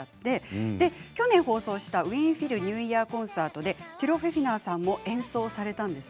去年放送した「ウィーン・フィルニューイヤーコンサート」でティロ・フェヒナーさんも演奏されました。